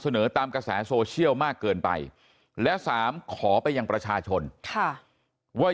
เสนอตามกระแสโซเชียลมากเกินไปและสามขอไปยังประชาชนค่ะว่า